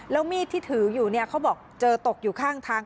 แล้วมีดที่ถืออยู่เนี่ยเขาบอกเจอตกอยู่ข้างทาง